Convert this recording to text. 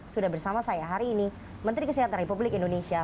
sudah bersama saya hari ini menteri kesehatan republik indonesia